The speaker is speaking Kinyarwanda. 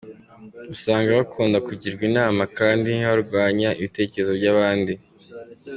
Usanga bakunda kugirwa inama kandi ntibarwanya ibitekerezo by’abandi.